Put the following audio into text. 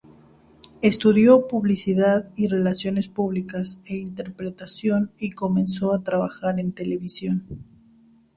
Estudio publicidad y relaciones públicas e interpretación y comenzó a trabajar en televisión.